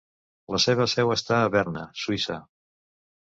La seva seu està a Berna, Suïssa.